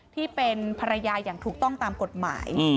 ที่เป็นภรรยาอย่างถูกต้องตามกฎหมาย